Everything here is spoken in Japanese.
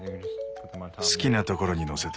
好きなところにのせて。